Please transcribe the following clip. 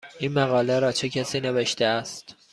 این مقاله را چه کسی نوشته است؟